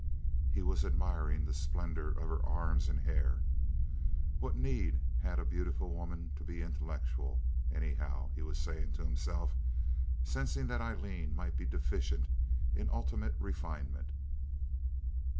He was admiring the splendor of her arms and hair. What need had beautiful woman to be intellectual, anyhow, he was saying to himself, sensing that Aileen might be deficient in ultimate refinement.